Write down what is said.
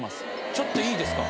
ちょっといいですか？